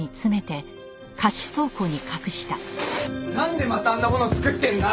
なんでまたあんなものを作ってるんだ！？